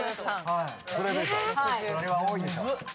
これは多いでしょ。